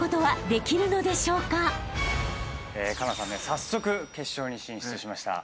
早速決勝に進出しました。